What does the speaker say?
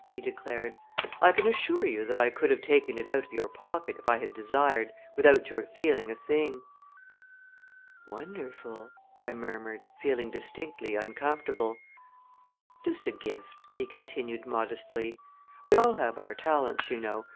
he declared. "I can assure you that I could have taken it out of your pocket, if I had desired, without your feeling a thing." "Wonderful!" I murmured, feeling distinctly uncomfortable. "Just a gift!" he continued modestly. "We all have our talents, you know.